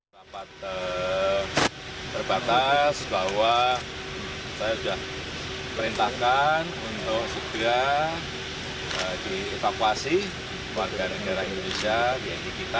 dapat terbatas bahwa saya sudah perintahkan untuk segera dievakuasi warga negara indonesia